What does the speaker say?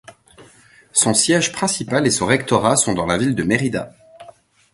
Son siège principal et son rectorat sont dans la ville de Mérida.